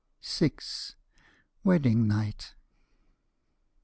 VI. WEDDING NIGHT.